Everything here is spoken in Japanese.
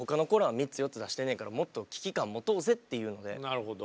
なるほど。